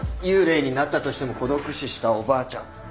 幽霊になったとしても孤独死したおばあちゃん。